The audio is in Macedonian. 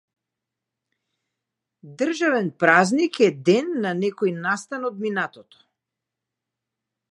Државен празник е, ден на некој настан од минатото.